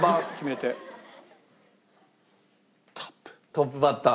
トップバッター。